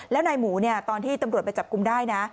แล้วนายหมูตอนที่ตำรวจไปจับกลุ่มได้นะ